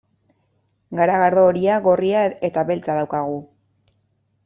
Garagardo horia, gorria eta beltza daukagu.